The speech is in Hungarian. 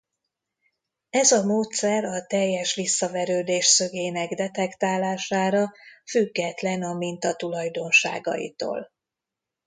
Ez a módszer a teljes visszaverődés szögének detektálására független a minta tulajdonságaitól.